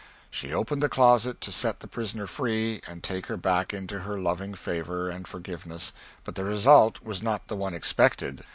She opened the closet to set the prisoner free and take her back into her loving favor and forgiveness, but the result was not the one expected.